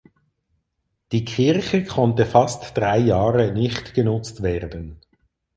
Die Kirche konnte fast drei Jahre nicht genutzt werden.